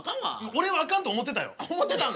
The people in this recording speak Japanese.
俺はあかんと思うてたよ。